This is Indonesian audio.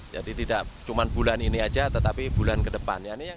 jadi tidak cuma bulan ini saja tetapi bulan ke depannya